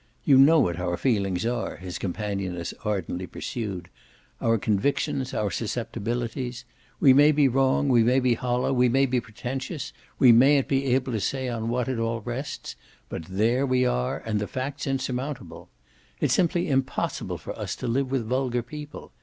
You know what our feelings are," his companion as ardently pursued; "our convictions, our susceptibilities. We may be wrong, we may be hollow, we may be pretentious, we mayn't be able to say on what it all rests; but there we are, and the fact's insurmountable. It's simply impossible for us to live with vulgar people.